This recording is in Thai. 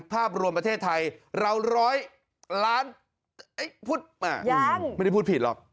ภาพรวมประเทศไทยเราร้อยล้านไม่ได้พูดผิดหรอก